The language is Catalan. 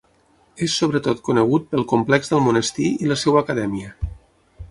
És sobretot conegut pel complex del monestir i la seva Acadèmia.